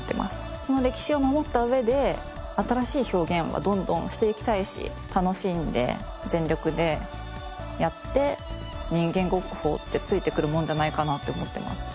その歴史を守った上で新しい表現はどんどんしていきたいし楽しんで全力でやって人間国宝ってついてくるもんじゃないかなって思ってます。